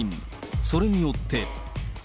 それによって。